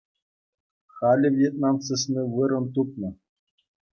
Халӗ Вьетнам сысни вырӑн тупнӑ.